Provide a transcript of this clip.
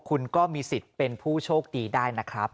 คุณก็มีสิทธิ์เป็นผู้โชคดีได้นะครับ